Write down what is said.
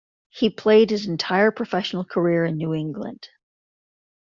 He played his entire professional career in New England.